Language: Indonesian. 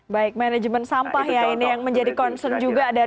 baik manajemen sampah ya ini yang menjadi concern juga